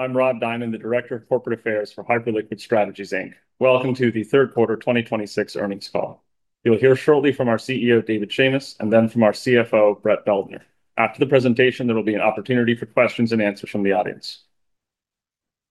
Hello, I'm Rob Diamond, the Director of Corporate Affairs for Hyperliquid Strategies Inc. Welcome to the Third Quarter 2026 Earnings Call. You'll hear shortly from our CEO, David Schamis, and then from our CFO, Brett Beldner. After the presentation, there will be an opportunity for questions and answers from the audience.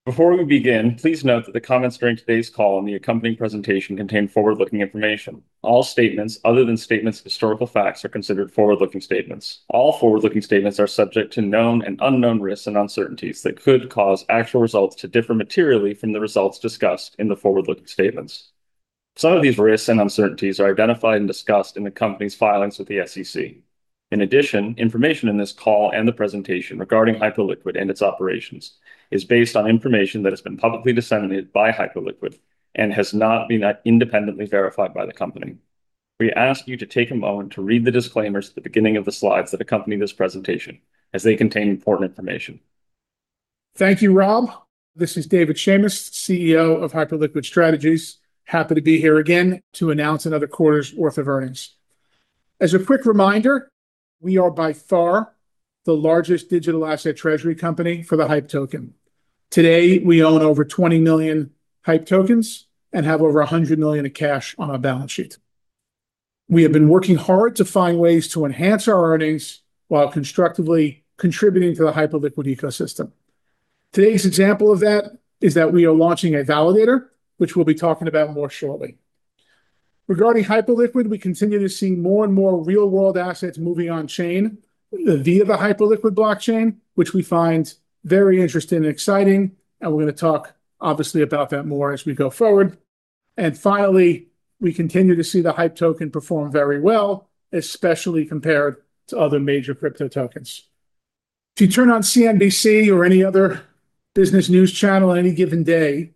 Before we begin, please note that the comments during today's call and the accompanying presentation contain forward-looking information. All statements other than statements of historical facts are considered forward-looking statements. All forward-looking statements are subject to known and unknown risks and uncertainties that could cause actual results to differ materially from the results discussed in the forward-looking statements. Some of these risks and uncertainties are identified and discussed in the company's filings with the SEC. In addition, information in this call and the presentation regarding Hyperliquid and its operations is based on information that has been publicly disseminated by Hyperliquid and has not been independently verified by the company. We ask you to take a moment to read the disclaimers at the beginning of the slides that accompany this presentation, as they contain important information. Thank you, Rob. This is David Schamis, CEO of Hyperliquid Strategies. Happy to be here again to announce another quarter's worth of earnings. As a quick reminder, we are by far the largest digital asset treasury company for the HYPE token. Today, we own over 20 million HYPE tokens and have over $100 million of cash on our balance sheet. We have been working hard to find ways to enhance our earnings while constructively contributing to the Hyperliquid ecosystem. Today's example of that is that we are launching a validator, which we'll be talking about more shortly. Regarding Hyperliquid, we continue to see more and more real world assets moving on chain via the Hyperliquid blockchain, which we find very interesting and exciting, and we're gonna talk obviously about that more as we go forward. Finally, we continue to see the HYPE token perform very well, especially compared to other major crypto tokens. If you turn on CNBC or any other business news channel on any given day,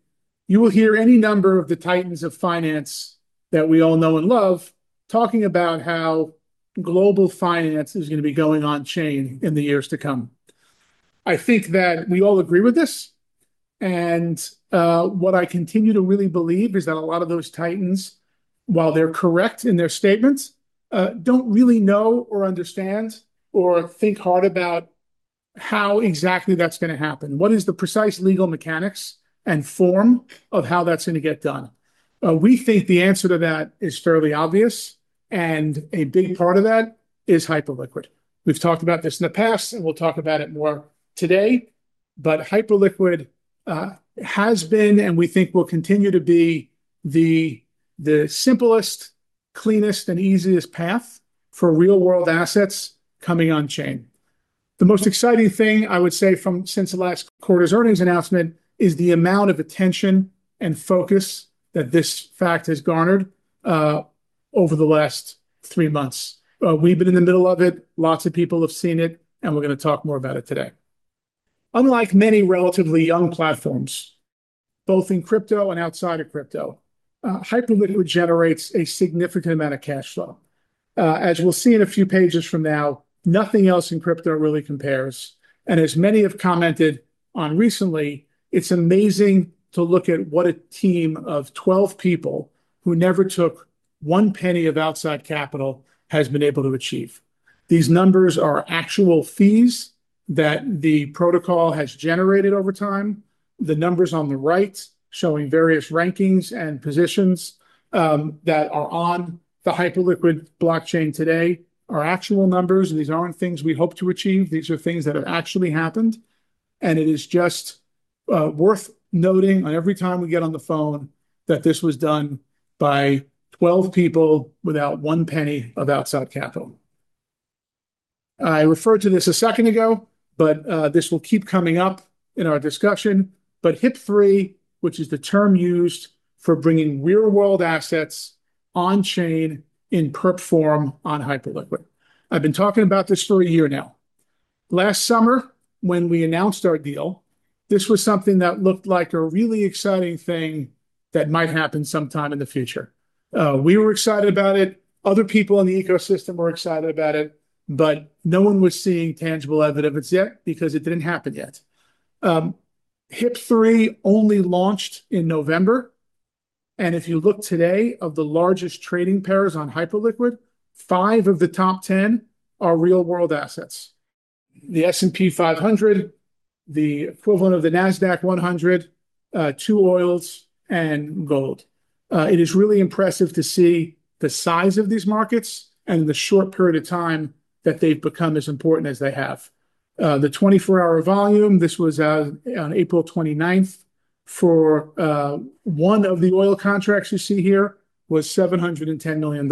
you will hear any number of the titans of finance that we all know and love talking about how global finance is going to be going on-chain in the years to come. I think that we all agree with this, what I continue to really believe is that a lot of those titans, while they're correct in their statements, don't really know or understand or think hard about how exactly that's going to happen. What is the precise legal mechanics and form of how that's going to get done? We think the answer to that is fairly obvious. A big part of that is Hyperliquid. We've talked about this in the past, and we'll talk about it more today, but Hyperliquid has been and we think will continue to be the simplest, cleanest and easiest path for real world assets coming on chain. The most exciting thing I would say from since the last quarter's earnings announcement is the amount of attention and focus that this fact has garnered over the last three months. We've been in the middle of it, lots of people have seen it, and we're gonna talk more about it today. Unlike many relatively young platforms, both in crypto and outside of crypto, Hyperliquid generates a significant amount of cash flow. As we'll see in a few pages from now, nothing else in crypto really compares. As many have commented on recently, it is amazing to look at what a team of 12 people who never took one penny of outside capital has been able to achieve. These numbers are actual fees that the protocol has generated over time. The numbers on the right showing various rankings and positions that are on the Hyperliquid blockchain today are actual numbers. These aren't things we hope to achieve. These are things that have actually happened, and it is just worth noting on every time we get on the phone that this was done by 12 people without 1 penny of outside capital. I referred to this a second ago. This will keep coming up in our discussion. HIP-3, which is the term used for bringing real world assets on chain in perps form on Hyperliquid. I've been talking about this for a year now. Last summer, when we announced our deal, this was something that looked like a really exciting thing that might happen sometime in the future. We were excited about it, other people in the ecosystem were excited about it, but no one was seeing tangible evidence of it yet because it didn't happen yet. HIP-3 only launched in November, and if you look today of the largest trading pairs on Hyperliquid, five of the top 10 are real world assets. The S&P 500, the equivalent of the NASDAQ 100, two oils and gold. It is really impressive to see the size of these markets and the short period of time that they've become as important as they have. The 24-hour volume, this was on April 29th, for one of the oil contracts you see here was $710 million.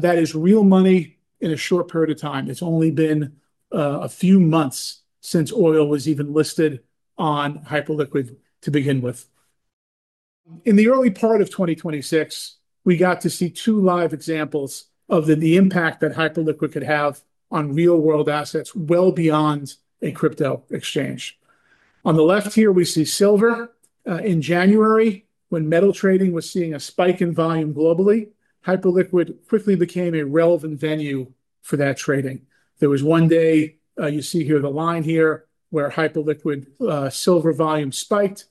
That is real money in a short period of time. It's only been a few months since oil was even listed on Hyperliquid to begin with. In the early part of 2026, we got to see two live examples of the impact that Hyperliquid could have on real world assets well beyond a crypto exchange. On the left here, we see silver. In January, when metal trading was seeing a spike in volume globally, Hyperliquid quickly became a relevant venue for that trading. There was one day, you see here the line here, where Hyperliquid silver volume spiked.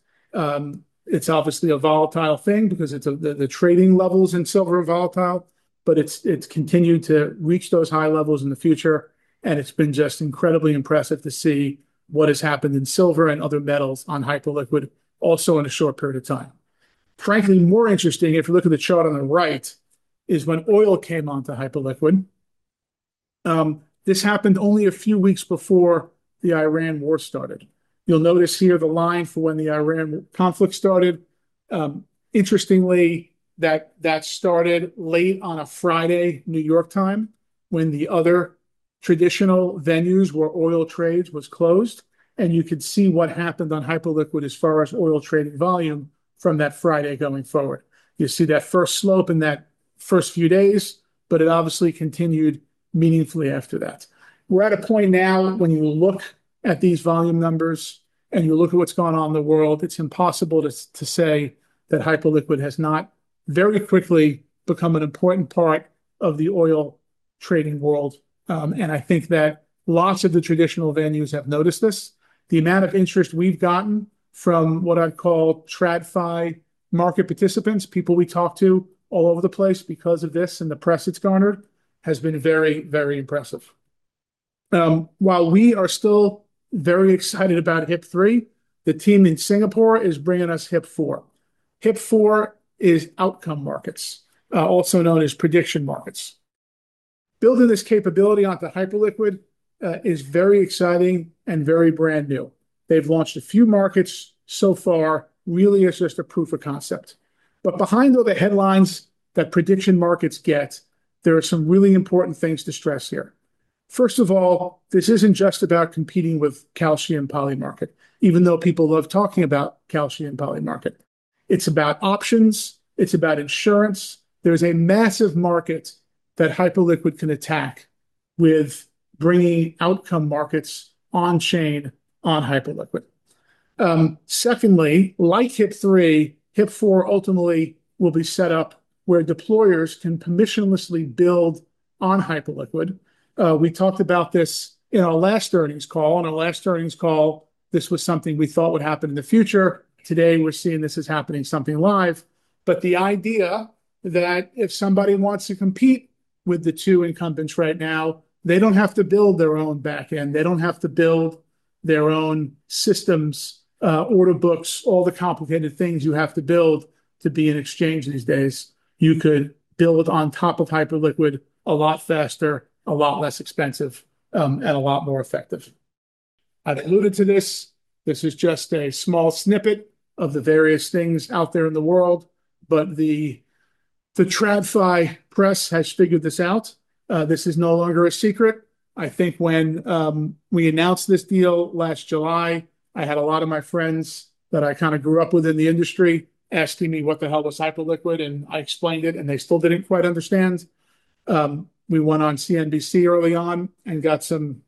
It's obviously a volatile thing because it's the trading levels in silver are volatile, but it's continued to reach those high levels in the future, and it's been just incredibly impressive to see what has happened in silver and other metals on Hyperliquid also in a short period of time. Frankly, more interesting, if you look at the chart on the right, is when oil came onto Hyperliquid. This happened only a few weeks before the Iran war started. You'll notice here the line for when the Iran conflict started. Interestingly, that started late on a Friday, New York time, when the other traditional venues where oil trades was closed. You could see what happened on Hyperliquid as far as oil trading volume from that Friday going forward. You see that first slope in that first few days. It obviously continued meaningfully after that. We're at a point now when you look at these volume numbers. You look at what's gone on in the world, it's impossible to say that Hyperliquid has not very quickly become an important part of the oil trading world. I think that lots of the traditional venues have noticed this. The amount of interest we've gotten from what I'd call TradFi market participants, people we talk to all over the place because of this and the press it's garnered, has been very, very impressive. While we are still very excited about HIP-3, the team in Singapore is bringing us HIP-4. HIP-4 is outcome markets, also known as prediction markets. Building this capability onto Hyperliquid is very exciting and very brand new. They've launched a few markets so far, really as just a proof of concept. Behind all the headlines that prediction markets get, there are some really important things to stress here. First of all, this isn't just about competing with Kalshi and Polymarket, even though people love talking about Kalshi and Polymarket. It's about options, it's about insurance. There's a massive market that Hyperliquid can attack with bringing outcome markets on chain on Hyperliquid. Secondly, like HIP-3, HIP-4 ultimately will be set up where deployers can permissionlessly build on Hyperliquid. We talked about this in our last earnings call. In our last earnings call, this was something we thought would happen in the future. Today, we're seeing this is happening, something live. The idea that if somebody wants to compete with the two incumbents right now, they don't have to build their own back end. They don't have to build their own systems, order books, all the complicated things you have to build to be in exchange these days. You could build on top of Hyperliquid a lot faster, a lot less expensive, and a lot more effective. I've alluded to this. This is just a small snippet of the various things out there in the world, but the TradFi press has figured this out. This is no longer a secret. I think when we announced this deal last July, I had a lot of my friends that I kind of grew up with in the industry asking me what the hell was Hyperliquid, and I explained it, and they still didn't quite understand. We went on CNBC early on and got some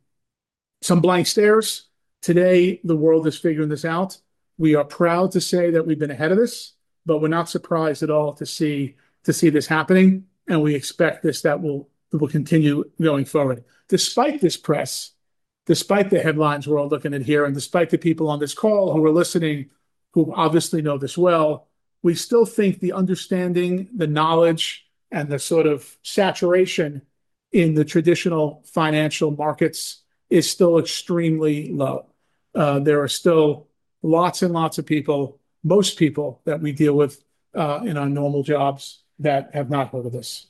blank stares. Today, the world is figuring this out. We are proud to say that we've been ahead of this, but we're not surprised at all to see this happening, and we expect this, that will continue going forward. Despite this press, despite the headlines we're all looking at here, and despite the people on this call who are listening who obviously know this well, we still think the understanding, the knowledge, and the sort of saturation in the traditional financial markets is still extremely low. There are still lots and lots of people, most people that we deal with, in our normal jobs that have not heard of this.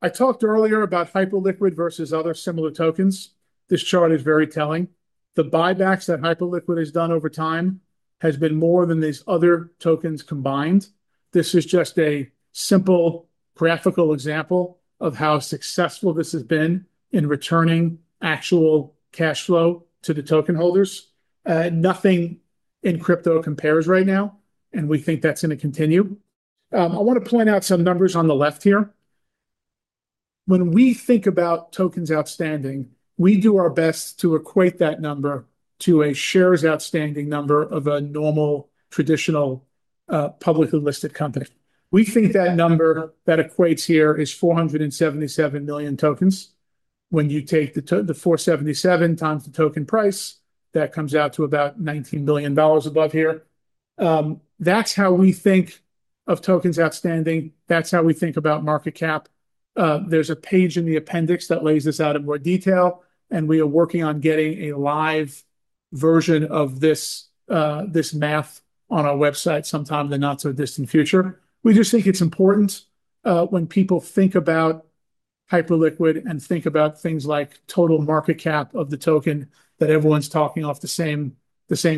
I talked earlier about Hyperliquid versus other similar tokens. This chart is very telling. The buybacks that Hyperliquid has done over time has been more than these other tokens combined. This is just a simple graphical example of how successful this has been in returning actual cash flow to the token holders. Nothing in crypto compares right now, and we think that's gonna continue. I wanna point out some numbers on the left here. When we think about tokens outstanding, we do our best to equate that number to a shares outstanding number of a normal, traditional, publicly listed company. We think that number that equates here is 477 million tokens. When you take the 477 times the token price, that comes out to about $19 billion above here. That's how we think of tokens outstanding. That's how we think about market cap. There's a page in the appendix that lays this out in more detail, and we are working on getting a live version of this math on our website sometime in the not-so-distant future. We just think it's important when people think about Hyperliquid and think about things like total market cap of the token, that everyone's talking off the same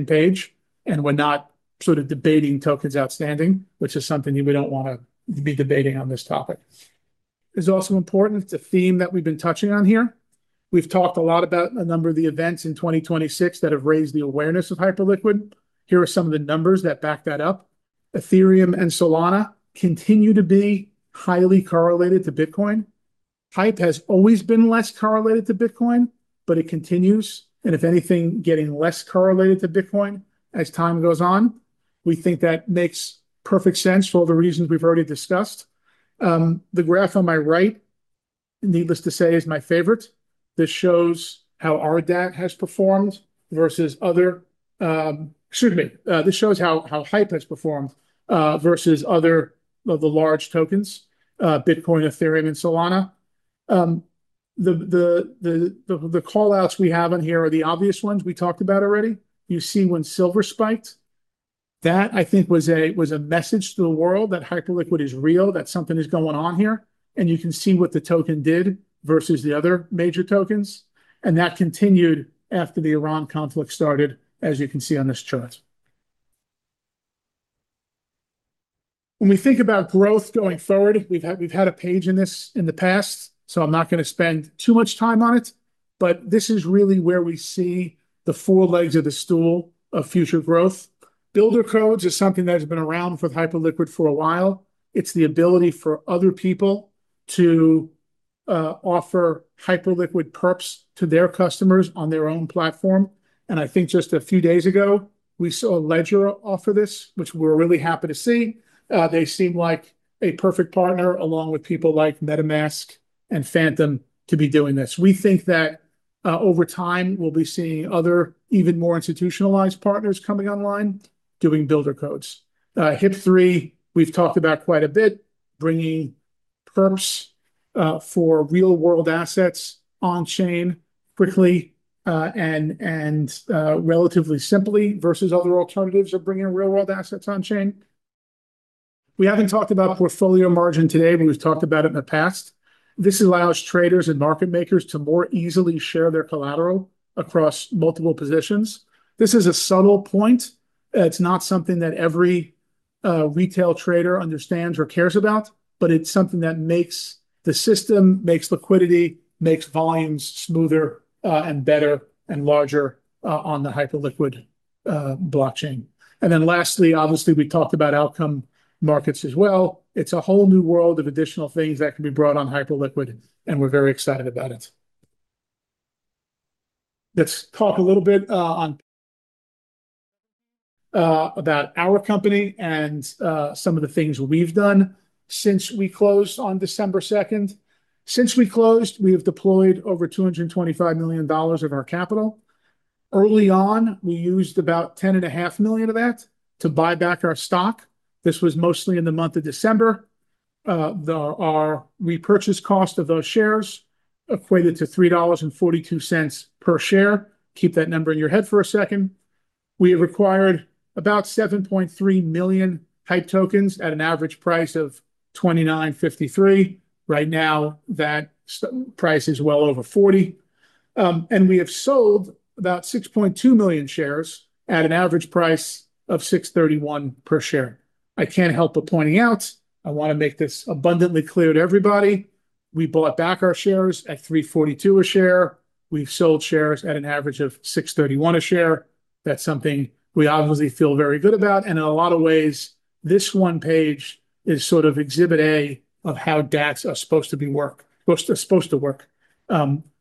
page, and we're not sort of debating tokens outstanding, which is something that we don't wanna be debating on this topic. It's also important, it's a theme that we've been touching on here. We've talked a lot about a number of the events in 2026 that have raised the awareness of Hyperliquid. Here are some of the numbers that back that up. Ethereum and Solana continue to be highly correlated to Bitcoin. HYPE has always been less correlated to Bitcoin, but it continues, and if anything, getting less correlated to Bitcoin as time goes on. We think that makes perfect sense for all the reasons we've already discussed. The graph on my right. Needless to say, is my favorite. This shows how our DAT has performed versus other. Excuse me, this shows how HYPE has performed versus other of the large tokens, Bitcoin, Ethereum, and Solana. The call-outs we have on here are the obvious ones we talked about already. You see when silver spiked, that I think was a message to the world that Hyperliquid is real, that something is going on here. You can see what the token did versus the other major tokens. That continued after the Iran conflict started, as you can see on this chart. When we think about growth going forward, we've had a page in this in the past. I'm not going to spend too much time on it. This is really where we see the four legs of the stool of future growth. Builder Codes is something that has been around for Hyperliquid for a while. It's the ability for other people to offer Hyperliquid perps to their customers on their own platform. I think just a few days ago, we saw Ledger offer this, which we're really happy to see. They seem like a perfect partner along with people like MetaMask and Phantom to be doing this. We think that, over time, we'll be seeing other even more institutionalized partners coming online doing Builder Codes. HIP-3, we've talked about quite a bit, bringing perps for real-world assets on chain quickly and, relatively simply versus other alternatives of bringing real-world assets on chain. We haven't talked about portfolio margin today, but we've talked about it in the past. This allows traders and market makers to more easily share their collateral across multiple positions. This is a subtle point. It's not something that every retail trader understands or cares about, but it's something that makes the system, makes liquidity, makes volumes smoother, and better and larger on the Hyperliquid blockchain. Lastly, obviously, we talked about outcome markets as well. It's a whole new world of additional things that can be brought on Hyperliquid, and we're very excited about it. Let's talk a little bit about our company and some of the things we've done since we closed on December 2nd. Since we closed, we have deployed over $225 million of our capital. Early on, we used about $10.5 million of that to buy back our stock. This was mostly in the month of December. Our repurchase cost of those shares equated to $3.42 per share. Keep that number in your head for a second. We have acquired about 7.3 million HYPE tokens at an average price of $29.53. Right now, that price is well over $40. We have sold about 6.2 million shares at an average price of $6.31 per share. I can't help but pointing out, I wanna make this abundantly clear to everybody, we bought back our shares at $3.42 a share. We've sold shares at an average of $6.31 a share. That's something we obviously feel very good about. In a lot of ways, this one page is sort of exhibit A of how DATs are supposed to work.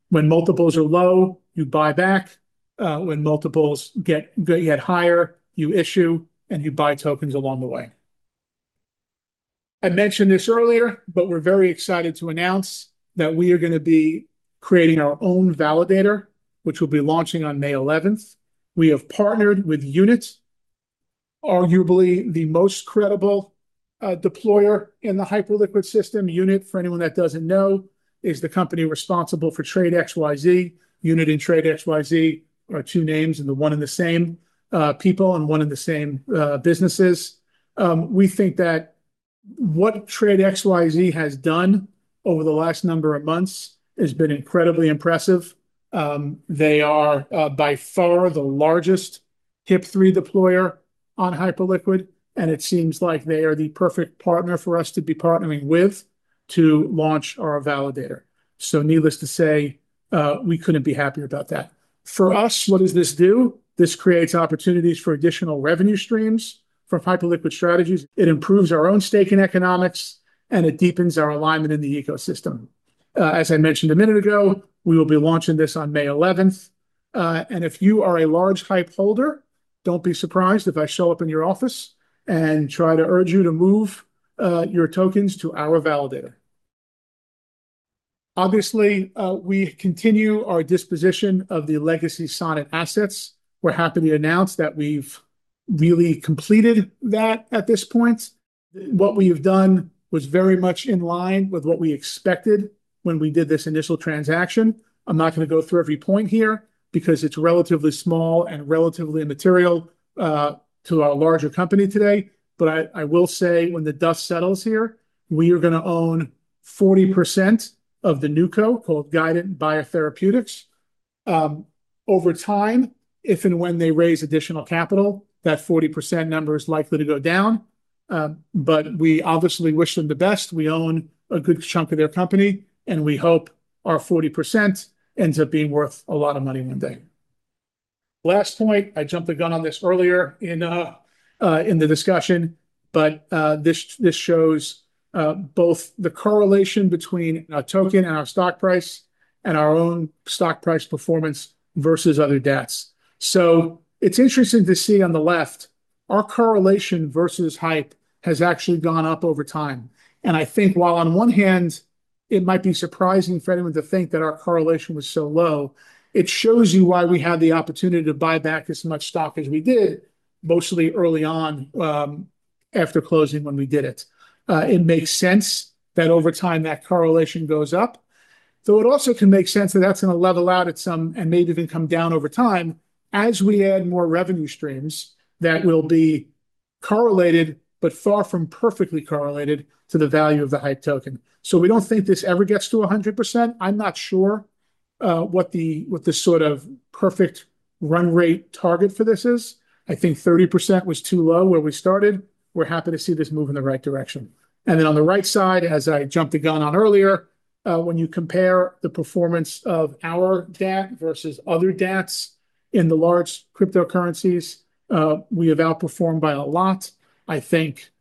When multiples are low, you buy back. When multiples get higher, you issue, and you buy tokens along the way. I mentioned this earlier, we're very excited to announce that we are gonna be creating our own validator, which will be launching on May 11th. We have partnered with Unit, arguably the most credible deployer in the Hyperliquid system. Unit, for anyone that doesn't know, is the company responsible for Trade XYZ. Unit and Trade XYZ are two names, and they're one and the same, people and one and the same, businesses. We think that what Trade XYZ has done over the last number of months has been incredibly impressive. They are by far the largest HIP-3 deployer on Hyperliquid, and it seems like they are the perfect partner for us to be partnering with to launch our validator. Needless to say, we couldn't be happier about that. For us, what does this do? This creates opportunities for additional revenue streams from Hyperliquid Strategies. It improves our own stake in economics, and it deepens our alignment in the ecosystem. As I mentioned a minute ago, we will be launching this on May 11th. If you are a large HYPE holder, don't be surprised if I show up in your office and try to urge you to move your tokens to our validator. Obviously, we continue our disposition of the legacy Sonnet assets. We're happy to announce that we've really completed that at this point. What we have done was very much in line with what we expected when we did this initial transaction. I'm not gonna go through every point here because it's relatively small and relatively immaterial to our larger company today. I will say, when the dust settles here, we are gonna own 40% of the new co called Guidant BioTherapeutics. Over time, if and when they raise additional capital, that 40% number is likely to go down. We obviously wish them the best. We own a good chunk of their company, and we hope our 40% ends up being worth a lot of money one day. Last point, I jumped the gun on this earlier in the discussion, this shows both the correlation between our token and our stock price and our own stock price performance versus other DATs. It's interesting to see on the left. Our correlation versus HYPE has actually gone up over time. I think while on one hand it might be surprising for anyone to think that our correlation was so low, it shows you why we had the opportunity to buy back as much stock as we did, mostly early on, after closing when we did it. It makes sense that over time that correlation goes up, though it also can make sense that that's going to level out at some and maybe even come down over time as we add more revenue streams that will be correlated, but far from perfectly correlated to the value of the HYPE token. We don't think this ever gets to 100%. I'm not sure what the sort of perfect run rate target for this is. I think 30% was too low where we started. We're happy to see this move in the right direction. On the right side, as I jumped the gun on earlier, when you compare the performance of our DAT versus other DATs in the large cryptocurrencies, we have outperformed by a lot. I think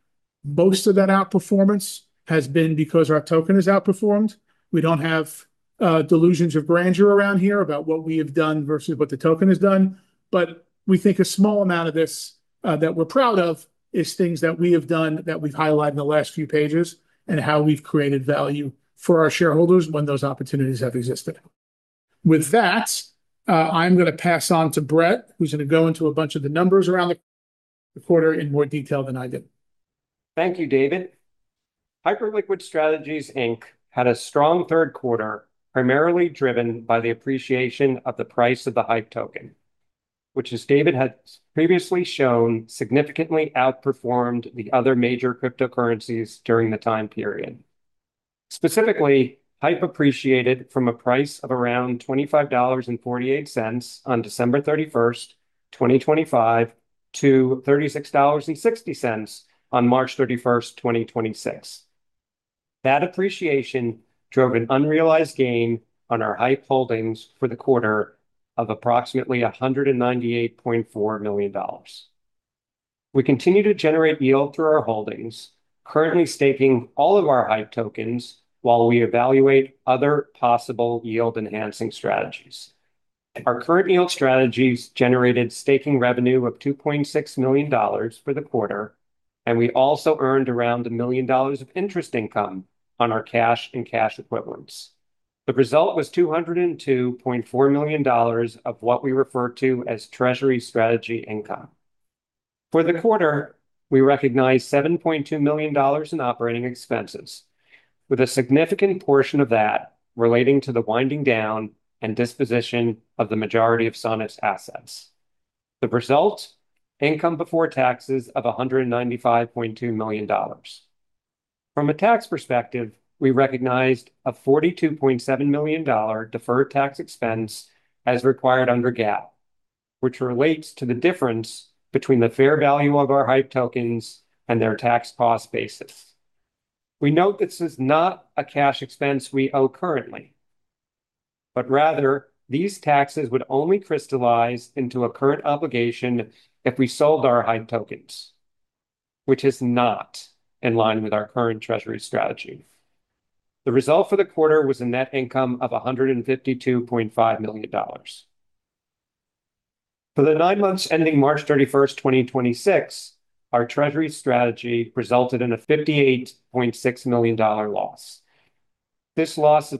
most of that outperformance has been because our token has outperformed. We don't have delusions of grandeur around here about what we have done versus what the token has done. We think a small amount of this that we're proud of is things that we have done that we've highlighted in the last few pages, and how we've created value for our shareholders when those opportunities have existed. I'm gonna pass on to Brett, who's gonna go into a bunch of the numbers around the quarter in more detail than I did. Thank you, David. Hyperliquid Strategies Inc. had a strong third quarter, primarily driven by the appreciation of the price of the HYPE token, which as David had previously shown, significantly outperformed the other major cryptocurrencies during the time period. Specifically, HYPE appreciated from a price of around $25.48 on December 31st, 2025 to $36.60 on March 31st, 2026. That appreciation drove an unrealized gain on our HYPE holdings for the quarter of approximately $198.4 million. We continue to generate yield through our holdings, currently staking all of our HYPE tokens while we evaluate other possible yield-enhancing strategies. Our current yield strategies generated staking revenue of $2.6 million for the quarter, and we also earned around $1 million of interest income on our cash and cash equivalents. The result was $202.4 million of what we refer to as treasury strategy income. For the quarter, we recognized $7.2 million in operating expenses, with a significant portion of that relating to the winding down and disposition of the majority of Sonnet's assets. The result, income before taxes of $195.2 million. From a tax perspective, we recognized a $42.7 million deferred tax expense as required under GAAP, which relates to the difference between the fair value of our HYPE tokens and their tax cost basis. We note this is not a cash expense we owe currently, but rather these taxes would only crystallize into a current obligation if we sold our HYPE tokens, which is not in line with our current treasury strategy. The result for the quarter was a net income of $152.5 million. For the nine months ending March 31st, 2026, our treasury strategy resulted in a $58.6 million loss. This loss is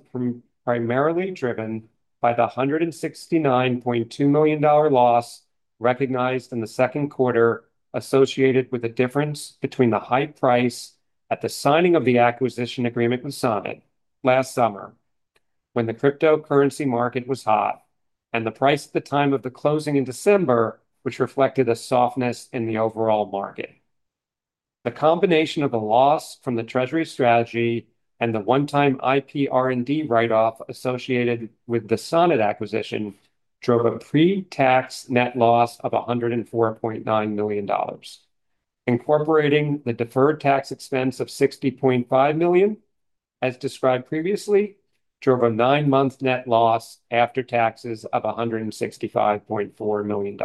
primarily driven by the $169.2 million loss recognized in the second quarter, associated with the difference between the HYPE price at the signing of the acquisition agreement with Sonnet last summer when the cryptocurrency market was hot, and the price at the time of the closing in December, which reflected a softness in the overall market. The combination of the loss from the treasury strategy and the one-time IPR&D write-off associated with the Sonnet acquisition drove a pre-tax net loss of $104.9 million. Incorporating the deferred tax expense of $60.5 million, as described previously, drove a nine-month net loss after taxes of $165.4 million.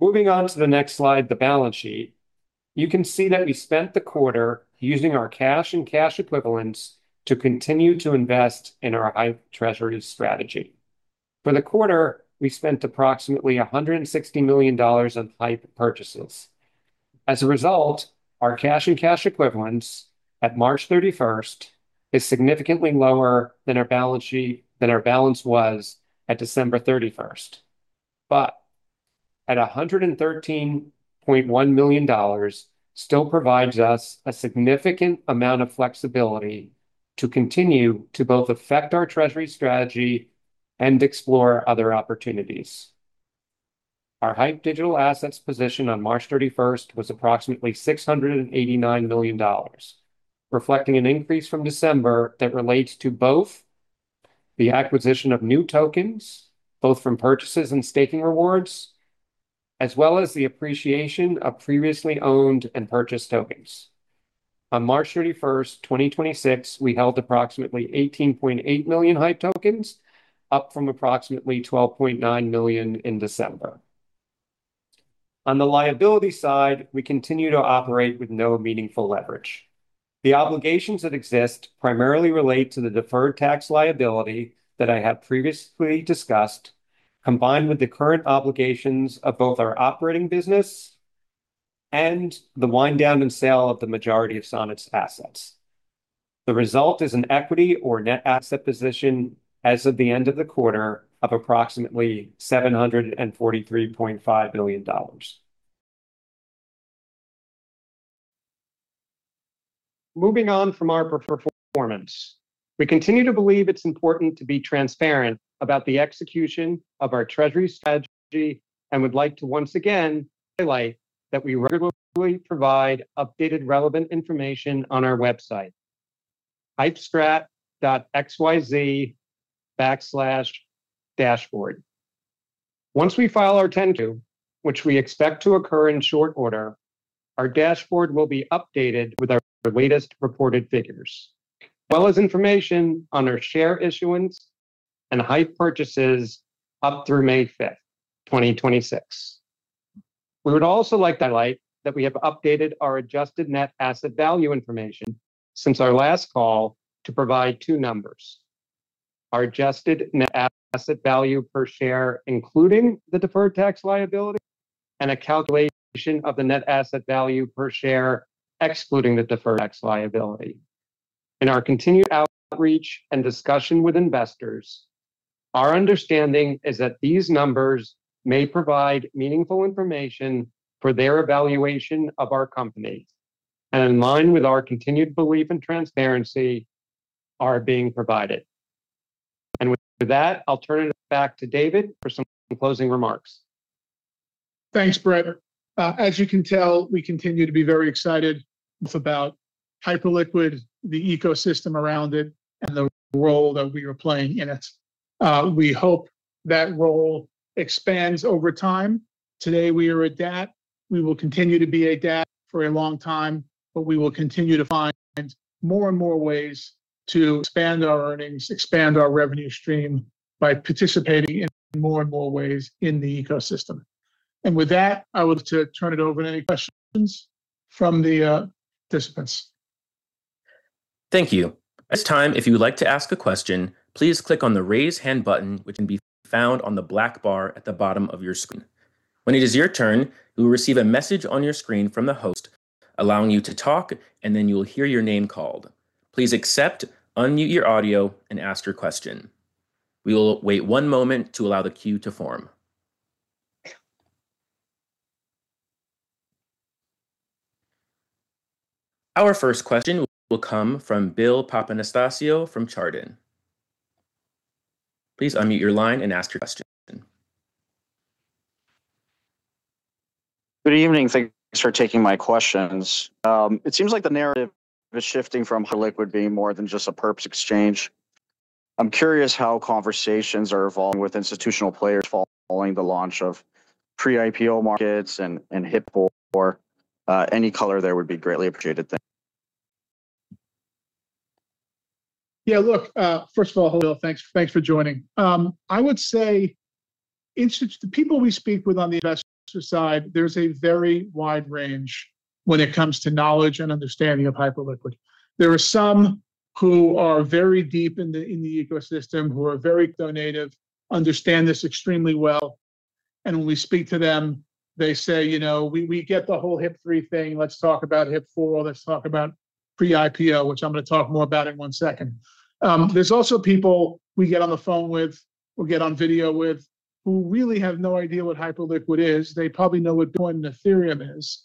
Moving on to the next slide, the balance sheet. You can see that we spent the quarter using our cash and cash equivalents to continue to invest in our HYPE treasury strategy. For the quarter, we spent approximately $160 million on HYPE purchases. As a result, our cash and cash equivalents at March 31st is significantly lower than our balance was at December 31st. At $113.1 million still provides us a significant amount of flexibility to continue to both affect our treasury strategy and explore other opportunities. Our HYPE digital assets position on March 31st was approximately $689 million, reflecting an increase from December that relates to both the acquisition of new tokens, both from purchases and staking rewards, as well as the appreciation of previously owned and purchased tokens. On March 31st, 2026, we held approximately $18.8 million HYPE tokens, up from approximately $12.9 million in December. On the liability side, we continue to operate with no meaningful leverage. The obligations that exist primarily relate to the deferred tax liability that I have previously discussed, combined with the current obligations of both our operating business and the wind down and sale of the majority of Sonnet's assets. The result is an equity or net asset position as of the end of the quarter of approximately $743.5 billion. Moving on from our performance, we continue to believe it's important to be transparent about the execution of our treasury strategy, and would like to once again highlight that we regularly provide updated relevant information on our website, hypestrat.xyz/dashboard. Once we file our 10-Q, which we expect to occur in short order, our dashboard will be updated with our latest reported figures, as well as information on our share issuance and HYPE purchases up through May 5th, 2026. We would also like to highlight that we have updated our adjusted net asset value information since our last call to provide two numbers. Our adjusted net asset value per share, including the deferred tax liability, and a calculation of the net asset value per share excluding the deferred tax liability. In our continued outreach and discussion with investors, our understanding is that these numbers may provide meaningful information for their evaluation of our company, and in line with our continued belief in transparency, are being provided. With that, I'll turn it back to David for some closing remarks. Thanks, Brett. As you can tell, we continue to be very excited about Hyperliquid, the ecosystem around it, and the role that we are playing in it. We hope that role expands over time. Today we are a DAT. We will continue to be a DAP for a long time, but we will continue to find more and more ways to expand our earnings, expand our revenue stream by participating in more and more ways in the ecosystem. With that, I would like to turn it over to any questions from the participants. Thank you. At this time, if you would like to ask a question, please click on the Raise Hand button, which can be found on the black bar at the bottom of your screen. When it is your turn, you will receive a message on your screen from the host allowing you to talk, and then you will hear your name called. Please accept, unmute your audio, and ask your question. We will wait one moment to allow the queue to form. Our first question will come from Bill Papanastasiou from Chardan. Please unmute your line and ask your question. Good evening. Thanks for taking my questions. It seems like the narrative is shifting from Hyperliquid being more than just a perps exchange. I'm curious how conversations are evolving with institutional players following the launch of pre-IPO markets and HIP-4. Any color there would be greatly appreciated. Thanks. Yeah, look, first of all, Bill, thanks for joining. I would say the people we speak with on the investor side, there's a very wide range when it comes to knowledge and understanding of Hyperliquid. There are some who are very deep in the ecosystem, who are very crypto native, understand this extremely well, and when we speak to them, they say, "You know, we get the whole HIP-3 thing. Let's talk about HIP-4, let's talk about pre-IPO," which I'm gonna talk more about in 1 second. There's also people we get on the phone with or get on video with who really have no idea what Hyperliquid is. They probably know what Bitcoin and Ethereum is,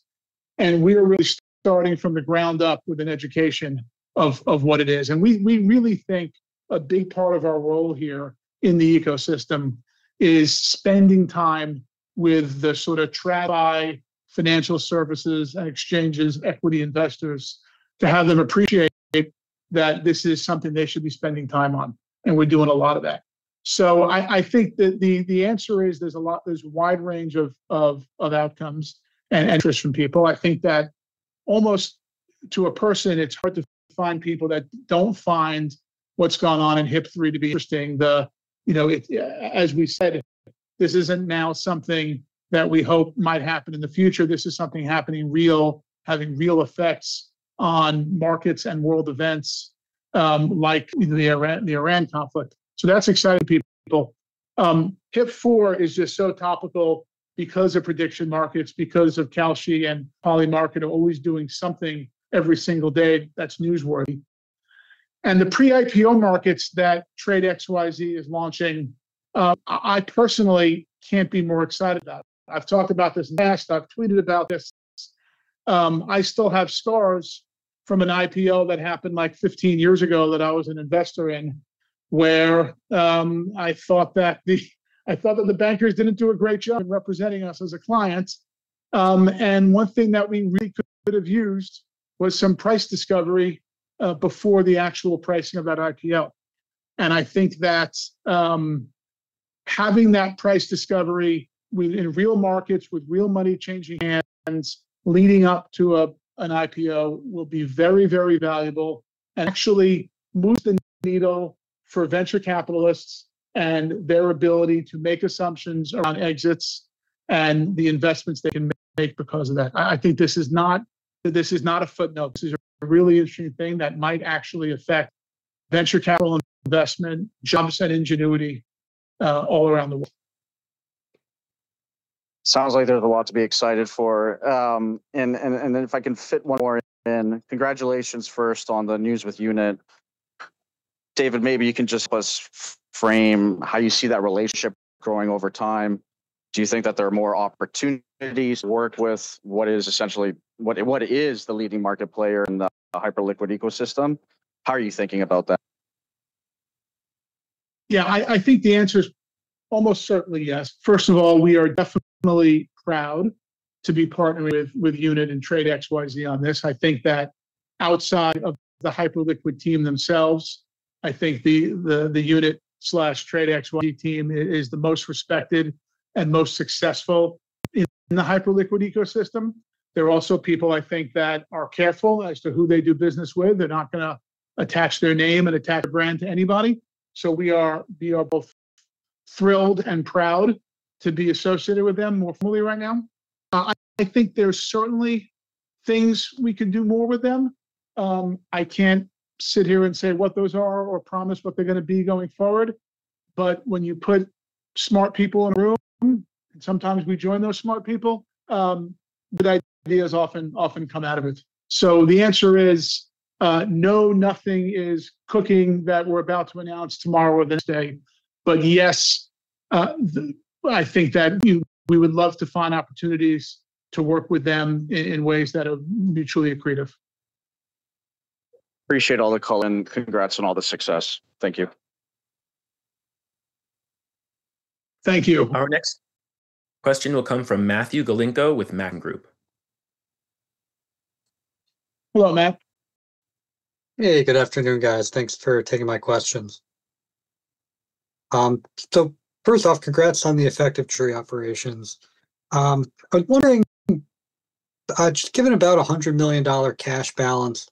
and we are really starting from the ground up with an education of what it is. We really think a big part of our role here in the ecosystem is spending time with the sort of TradFi financial services and exchanges, equity investors, to have them appreciate that this is something they should be spending time on, and we're doing a lot of that. I think the answer is there's a wide range of outcomes and interest from people. I think that almost to a person, it's hard to find people that don't find what's gone on in HIP-3 to be interesting. You know, it, as we've said, this isn't now something that we hope might happen in the future. This is something happening real, having real effects on markets and world events, like the Iran conflict. That's exciting people. HIP-4 is just so topical because of prediction markets, because of Kalshi and Polymarket are always doing something every single day that's newsworthy. The pre-IPO markets that TradeXYZ is launching, I personally can't be more excited about. I've talked about this in the past. I've tweeted about this. I still have scars from an IPO that happened like 15 years ago that I was an investor in where, I thought that the bankers didn't do a great job in representing us as a client. One thing that we really could have used was some price discovery before the actual pricing of that IPO. I think that, having that price discovery with, in real markets, with real money changing hands leading up to an IPO will be very, very valuable and actually move the needle for venture capitalists and their ability to make assumptions around exits. The investments they can make because of that. I think this is not, this is not a footnote. This is a really interesting thing that might actually affect venture capital investment, jumpstart ingenuity, all around the world. Sounds like there's a lot to be excited for. Then if I can fit one more in. Congratulations first on the news with Unit. David, maybe you can just help us frame how you see that relationship growing over time. Do you think that there are more opportunities to work with what is essentially what is the leading market player in the Hyperliquid ecosystem? How are you thinking about that? Yeah, I think the answer is almost certainly yes. First of all, we are definitely proud to be partnering with Unit and Trade XYZ on this. Outside of the Hyperliquid team themselves, I think the Unit/Trade XYZ team is the most respected and most successful in the Hyperliquid ecosystem. They're also people I think that are careful as to who they do business with. They're not gonna attach their name and attach their brand to anybody. We are both thrilled and proud to be associated with them more formally right now. I think there's certainly things we can do more with them. I can't sit here and say what those are or promise what they're gonna be going forward. When you put smart people in a room, and sometimes we join those smart people, good ideas often come out of it. The answer is, no nothing is cooking that we're about to announce tomorrow or the next day. Yes, I think that we would love to find opportunities to work with them in ways that are mutually accretive. Appreciate all the color and congrats on all the success. Thank you. Thank you. Our next question will come from Matthew Galinko with Maxim Group. Hello, Matt. Hey, good afternoon, guys. Thanks for taking my questions. First off, congrats on the effective treasury operations. I was wondering, just given about a $100 million cash balance,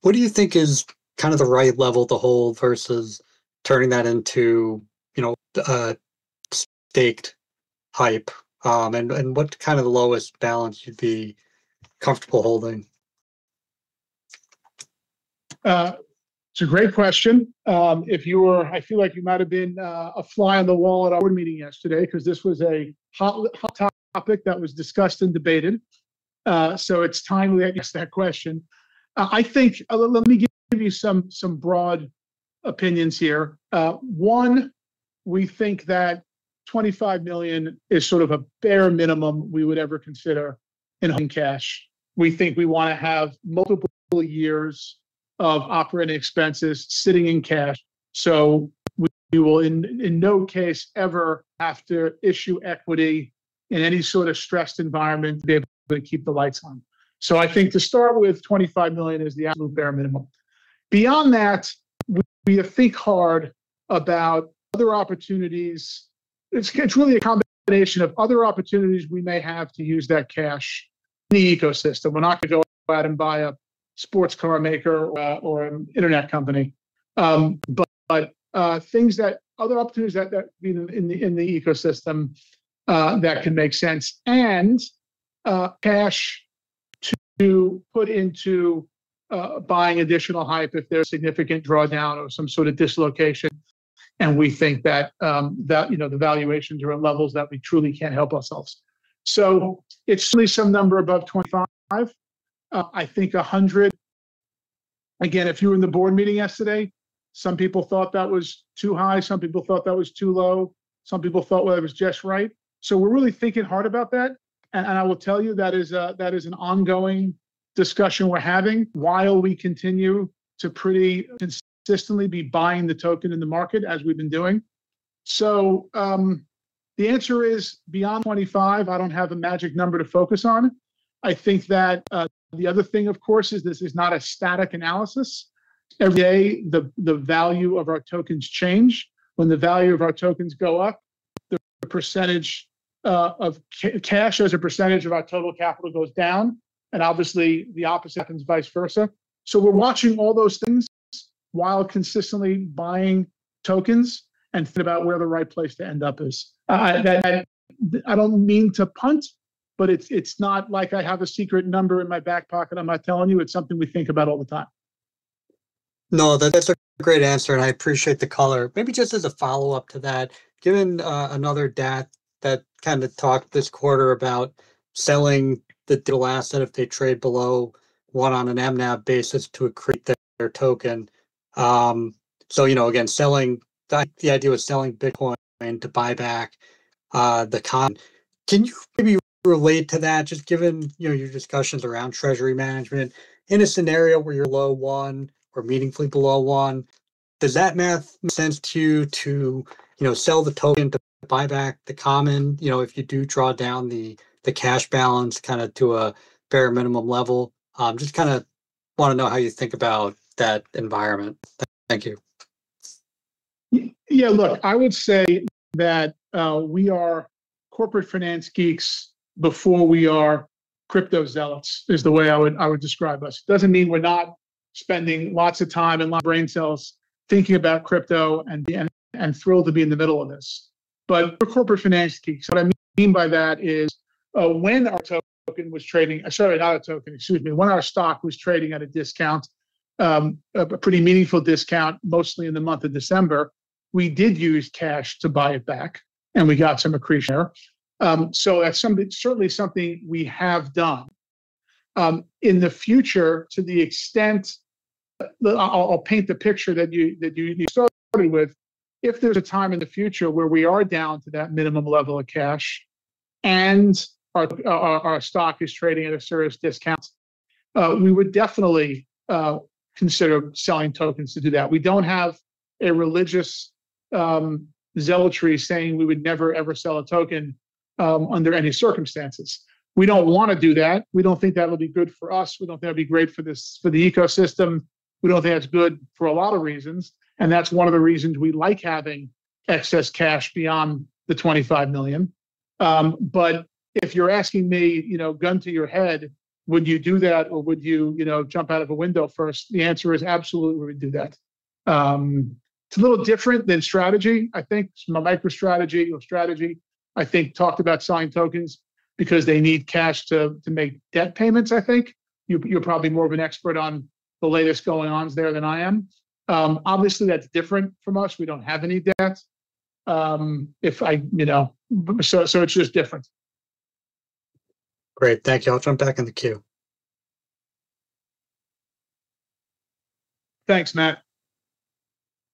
what do you think is kind of the right level to hold versus turning that into, you know, staked HYPE? What kind of the lowest balance you'd be comfortable holding? It's a great question. I feel like you might've been a fly on the wall at our board meeting yesterday because this was a hot topic that was discussed and debated. It's timely I get that question. I think. Let me give you some broad opinions here. One, we think that $25 million is sort of a bare minimum we would ever consider in home cash. We think we wanna have multiple years of operating expenses sitting in cash, so we will in no case ever have to issue equity in any sort of stressed environment to be able to keep the lights on. I think to start with $25 million is the absolute bare minimum. Beyond that, we have to think hard about other opportunities. It's really a combination of other opportunities we may have to use that cash in the ecosystem. We're not gonna go out and buy a sports car maker or or an internet company. Other opportunities that, you know, in the ecosystem, that can make sense. Cash to put into buying additional HYPE if there's significant drawdown or some sort of dislocation. We think that, you know, the valuations are at levels that we truly can't help ourselves. It's really some number above 25. I think 100. Again, if you were in the board meeting yesterday, some people thought that was too high, some people thought that was too low, some people thought that it was just right. We're really thinking hard about that. I will tell you that is an ongoing discussion we're having while we continue to pretty consistently be buying the token in the market as we've been doing. The answer is beyond 25. I don't have a magic number to focus on. I think that the other thing, of course, is this is not a static analysis. Every day, the value of our tokens change. When the value of our tokens go up, the percentage of cash as a percentage of our total capital goes down, and obviously the opposite happens vice versa. We're watching all those things while consistently buying tokens and think about where the right place to end up is. That, I don't mean to punt, but it's not like I have a secret number in my back pocket I'm not telling you. It's something we think about all the time. No, that's a great answer, and I appreciate the color. Maybe just as a follow-up to that, given another DAT that kinda talked this quarter about selling the digital asset if they trade below one on an MNAV basis to accrete their token. You know, again, the idea was selling Bitcoin and to buy back the com. Can you maybe relate to that, just given, you know, your discussions around treasury management? In a scenario where you're low one or meaningfully below one, does that math make sense to you to, you know, sell the token to buy back the common? You know, if you do draw down the cash balance kinda to a bare minimum level. Just kinda wanna know how you think about that environment. Thank you. Yeah, look, I would say that we are corporate finance geeks before we are crypto zealots is the way I would describe us. Doesn't mean we're not spending lots of time and lot of brain cells thinking about crypto and being and thrilled to be in the middle of this. We're corporate finance geeks. What I mean by that is, when our token was trading Sorry, not our token, excuse me. When our stock was trading at a discount, a pretty meaningful discount mostly in the month of December, we did use cash to buy it back. We got some accretion there. That's something, certainly something we have done. In the future, to the extent I'll paint the picture that you started with. If there's a time in the future where we are down to that minimum level of cash and our stock is trading at a serious discount, we would definitely consider selling tokens to do that. We don't have a religious zealotry saying we would never, ever sell a token under any circumstances. We don't wanna do that. We don't think that'll be good for us. We don't think that'd be great for this, for the ecosystem. We don't think that's good for a lot of reasons, and that's one of the reasons we like having excess cash beyond the $25 million. If you're asking me, you know, gun to your head, would you do that or would you know, jump out of a window first, the answer is absolutely we would do that. It's a little different than Strategy, I think. MicroStrategy or Strategy, I think, talked about selling tokens because they need cash to make debt payments, I think. You, you're probably more of an expert on the latest going-ons there than I am. Obviously that's different from us. We don't have any debt. So, it's just different. Great. Thank you. I'll jump back in the queue. Thanks, Matt.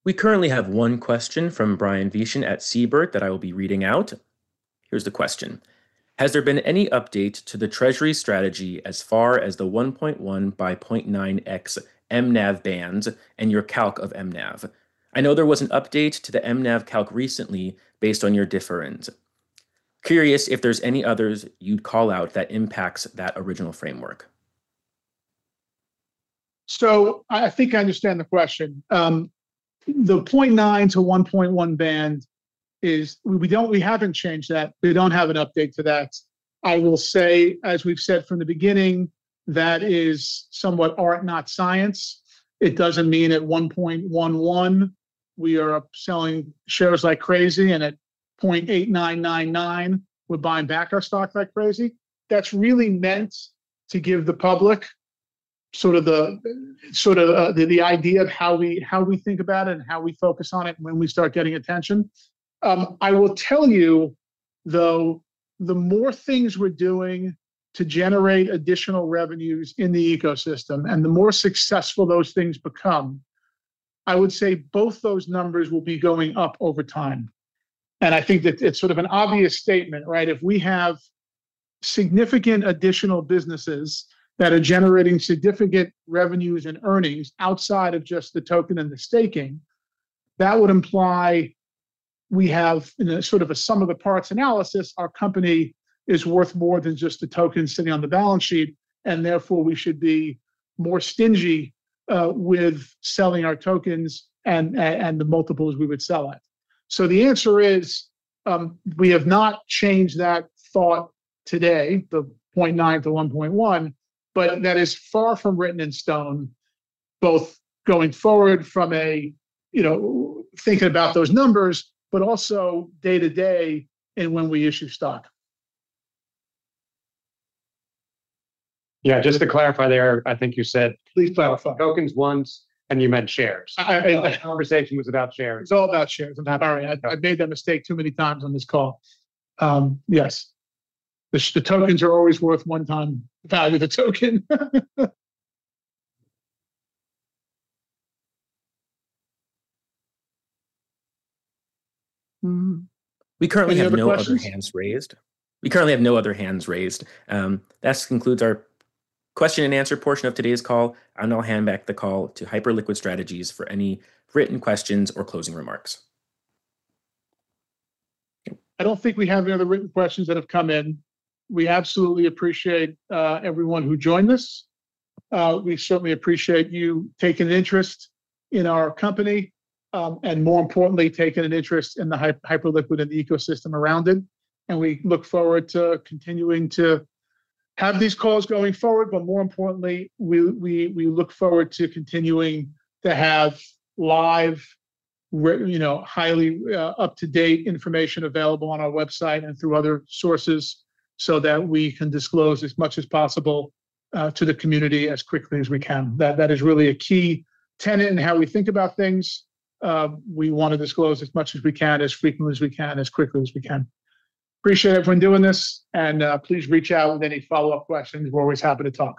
We currently have one question from Brian Vieten at Seabird that I will be reading out. Here's the question. "Has there been any update to the treasury strategy as far as the 1.1x by 0.9x MNAV bands and your calc of MNAV? I know there was an update to the MNAV calc recently based on your dividend. Curious if there's any others you'd call out that impacts that original framework? I think I understand the question. The 0.9-1.1 band, we haven't changed that. We don't have an update to that. I will say, as we've said from the beginning, that is somewhat art, not science. It doesn't mean at 1.11 we are up selling shares like crazy, and at 0.8999 we're buying back our stock like crazy. That's really meant to give the public sort of the idea of how we think about it and how we focus on it when we start getting attention. I will tell you, though, the more things we're doing to generate additional revenues in the ecosystem and the more successful those things become, I would say both those numbers will be going up over time. I think that it's sort of an obvious statement, right? If we have significant additional businesses that are generating significant revenues and earnings outside of just the token and the staking, that would imply we have, in a sort of a sum of the parts analysis, our company is worth more than just the tokens sitting on the balance sheet, and therefore we should be more stingy with selling our tokens and the multiples we would sell at. The answer is we have not changed that thought today, the 0.9-1.1, but that is far from written in stone, both going forward from a, you know, thinking about those numbers, but also day to day and when we issue stock. Yeah, just to clarify there, I think you said- Please clarify. Tokens once, and you meant shares. I- That conversation was about shares. It's all about shares. I'm sorry. I made that mistake too many times on this call. Yes. The tokens are always worth one time the value of the token. Any other questions? We currently have no other hands raised. That concludes our question and answer portion of today's call, and I'll hand back the call to Hyperliquid Strategies for any written questions or closing remarks. I don't think we have any other written questions that have come in. We absolutely appreciate everyone who joined us. We certainly appreciate you taking an interest in our company, and more importantly, taking an interest in the Hyperliquid and the ecosystem around it, and we look forward to continuing to have these calls going forward. More importantly, we look forward to continuing to have live you know, highly up-to-date information available on our website and through other sources so that we can disclose as much as possible to the community as quickly as we can. That is really a key tenet in how we think about things. We wanna disclose as much as we can, as frequently as we can, as quickly as we can. Appreciate everyone doing this, and please reach out with any follow-up questions. We're always happy to talk.